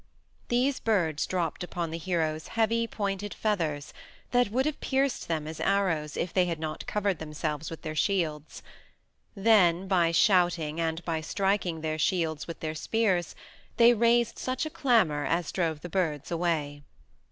These birds dropped upon the heroes heavy, pointed feathers that would have pierced them as arrows if they had not covered themselves with their shields; then by shouting, and by striking their shields with their spears, they raised such a clamor as drove the birds away.